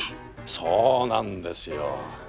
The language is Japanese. そうなんですよ。